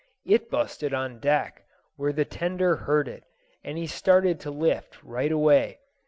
It busted on deck, where the tender heard it, and he started to lift, right away.